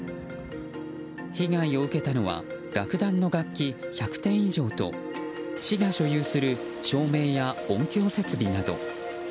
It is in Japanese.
被害を受けたのは楽団の楽器１００点以上と市が所有する照明や音響設備など。